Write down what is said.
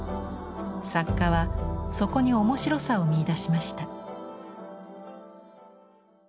作家はそこに面白さを見いだしました。